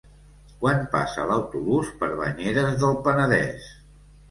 Quan passa l'autobús per Banyeres del Penedès?